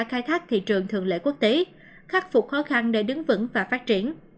khai thác thị trường thường lễ quốc tế khắc phục khó khăn để đứng vững và phát triển